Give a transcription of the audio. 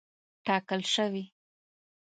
ټاکل شوې.